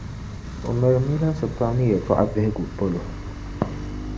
O mali milinsi pam ni yɛtɔɣa vihigu polo.